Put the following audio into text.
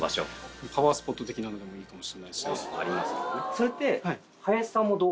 それって。